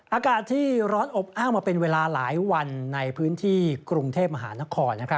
อากาศที่ร้อนอบอ้าวมาเป็นเวลาหลายวันในพื้นที่กรุงเทพมหานคร